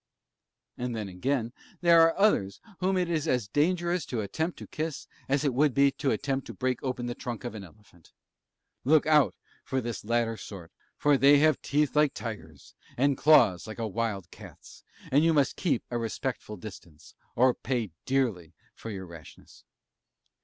And then again, there are others whom it is as dangerous to attempt to kiss as it would be to attempt to break open the trunk of an elephant. Look out for this latter sort, for they have teeth like tigers and claws like a wild cat's, and you must keep a respectful distance, or pay dearly for your rashness.